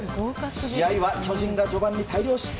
試合は巨人が序盤に大量失点。